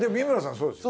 そうですよ。